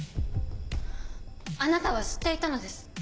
あなたは知っていたのです。